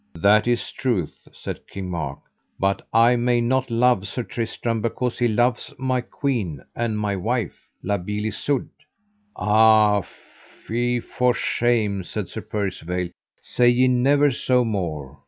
That is truth, said King Mark, but I may not love Sir Tristram because he loveth my queen and my wife, La Beale Isoud. Ah, fie for shame, said Sir Percivale, say ye never so more.